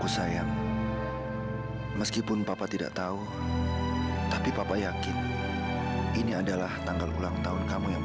sampai jumpa di video selanjutnya